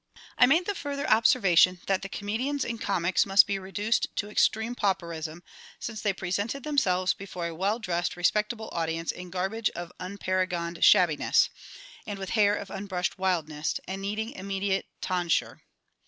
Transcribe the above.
"] I made the further observation that the Comedians and Comics must be reduced to extreme pauperism, since they presented themselves before a well dressed, respectable audience in garbage of unparagoned shabbiness, and with hair of unbrushed wildness, and needing immediate tonsure.